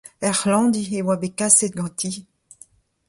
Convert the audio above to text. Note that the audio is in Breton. Er c'hlañvdi e oa bet kaset ganti.